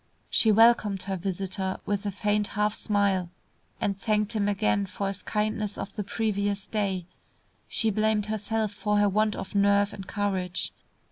She welcomed her visitor with a faint half smile, and thanked him again for his kindness of the previous day. She blamed herself for her want of nerve and courage.